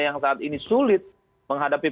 yang saat ini sulit menghadapi